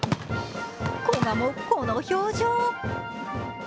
古賀もこの表情。